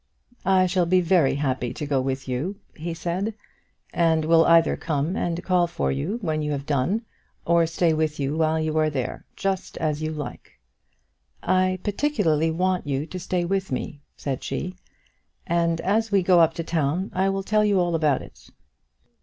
"I shall be very happy to go with you," he said, "and will either come and call for you when you have done, or stay with you while you are there, just as you like." "I particularly want you to stay with me," said she, "and as we go up to town I will tell you all about it."